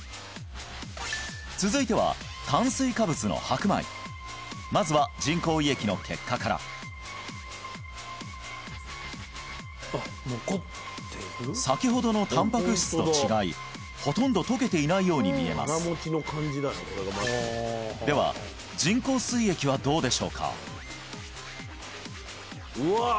続いては炭水化物の白米まずは人工胃液の結果から先ほどのたんぱく質と違いほとんど溶けていないように見えますでは人工すい液はどうでしょうか？